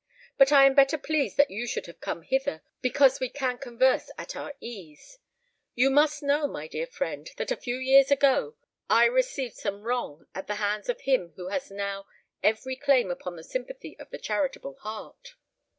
But I am better pleased that you should have come hither—because we can converse at our ease. You must know, my dear friend, that a few years ago I received some wrong at the hands of him who has now every claim upon the sympathy of the charitable heart."